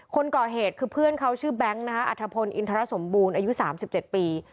คนก่อเหตุคือเพื่อนเขาชื่อแบงค์นะคะอัธพลอินทรสมบูรณ์อายุ๓๗ปี